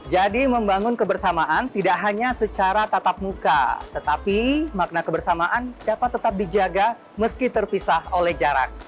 jadi membangun kebersamaan tidak hanya secara tatap muka tetapi makna kebersamaan dapat tetap dijaga meski terpisah oleh jarak